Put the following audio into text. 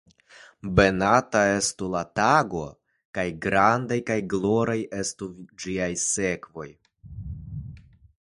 Benata estu la tago, kaj grandaj kaj gloraj estu ĝiaj sekvoj!